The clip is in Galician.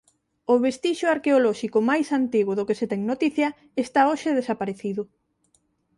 O vestixio arqueolóxico máis antigo do que se ten noticia está hoxe desaparecido.